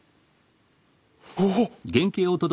おおっ！